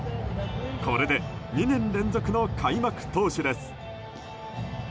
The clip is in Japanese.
これで２年連続の開幕投手です。